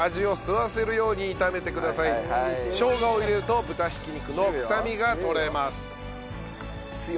しょうがを入れると豚ひき肉のくさみが取れます。